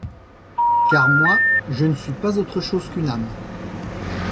Car, moi, je ne suis pas autre chose qu'une âme ;